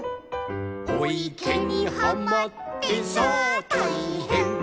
「おいけにはまってさあたいへん」